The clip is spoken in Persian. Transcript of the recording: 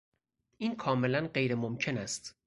این کاملا غیر ممکن است.